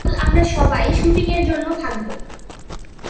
কাল আমরা সবাই শুটিং এর জন্য থাকব।